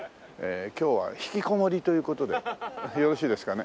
今日は引きこもりという事でよろしいですかね？